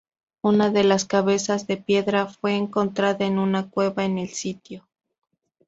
Una de las cabezas de piedra fue encontrada en una cueva en el sitio.